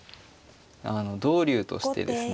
同竜としてですね